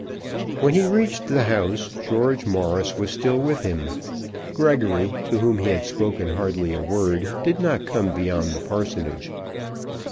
When he reached the house, George Morris was still with him. Gregory, to whom he had spoken hardly a word, did not come beyond the parsonage.